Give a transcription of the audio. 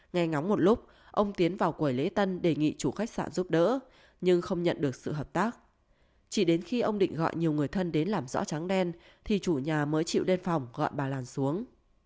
nghe ngóng một lúc ông tiến vào quầy lễ tân đề nghị chủ khách sạn giúp đỡ nhưng không nhận được sự hợp tác chỉ đến khi ông định gọi nhiều người thân đến làm rõ tráng đen thì chủ nhà mới chịu đề phòng gọi bà lan xuống